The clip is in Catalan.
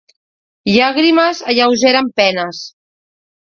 Llàgrimes alleugeren penes.